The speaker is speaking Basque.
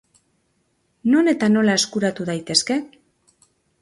Non eta nola eskuratu daitezke?